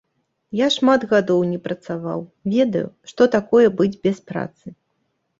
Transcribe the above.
Я шмат гадоў не працаваў, ведаю, што такое быць без працы.